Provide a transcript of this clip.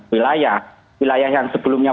wilayah wilayah yang sebelumnya